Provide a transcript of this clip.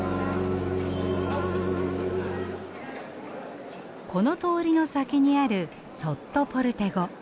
この通りの先にあるソットポルテゴ。